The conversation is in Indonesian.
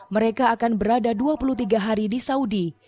mereka akan berada dua puluh tiga hari di saudi